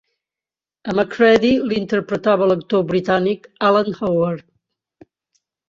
A McCready l'interpretava l'actor britànic Alan Howard.